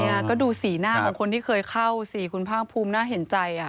นี่ก็ดูสีหน้าของคนที่เคยเข้าสิคุณภาคภูมิน่าเห็นใจ